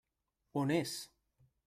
On és?